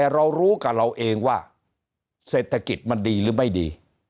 เรารู้กับเราเองว่าเศรษฐกิจมันดีหรือไม่ดี